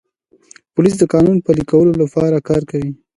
پولیس د قانون پلي کولو لپاره کار کوي.